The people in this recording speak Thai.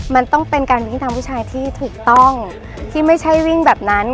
มันต้องเป็นการวิ่งทางผู้ชายที่ถูกต้องที่ไม่ใช่วิ่งแบบนั้น